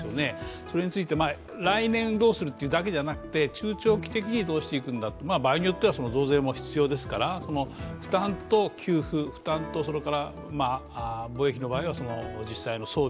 それについて、来年どうするってだけじゃなくて中長期的にどうしていくんだ、場合によっては増税も必要ですから負担と給付、かぜですか？